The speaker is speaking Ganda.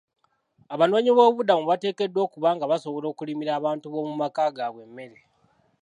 Abanoonyi b'obubuddamu bateekeddwa okuba nga basobola okulimira abantu b'omu maka gaabwe emmere.